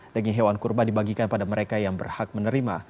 daging hewan kurban dibagikan pada mereka yang berhak menerima